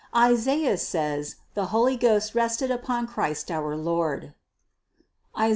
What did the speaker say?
Isaias says the Holy Ghost rested upon Christ our Lord (Is.